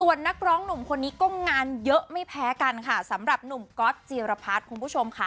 ส่วนนักร้องหนุ่มคนนี้ก็งานเยอะไม่แพ้กันค่ะสำหรับหนุ่มก๊อตจีรพัฒน์คุณผู้ชมค่ะ